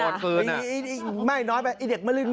อ่อบตืนอ่ะโหยยยยยยยยยยยยยอ้อพอดปืนอ่ะ